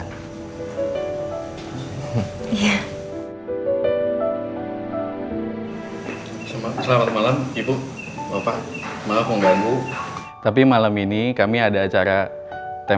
foto bapak sama ibu boleh